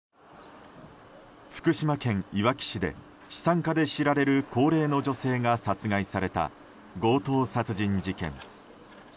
福島県いわき市で資産家で知られる高齢の女性が殺害された強盗殺人事件。